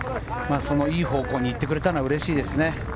いい方向に行ってくれたのはうれしいです。